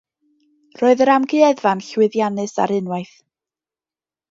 Roedd yr Amgueddfa'n llwyddiannus ar unwaith.